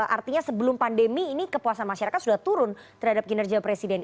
artinya sebelum pandemi ini kepuasan masyarakat sudah turun terhadap kinerja presiden